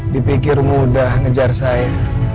dipikir mudah ngejar saya